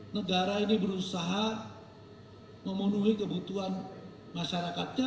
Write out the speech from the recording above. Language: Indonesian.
negara ini berusaha memenuhi kebutuhan masyarakatnya